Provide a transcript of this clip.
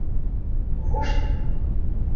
Вушт!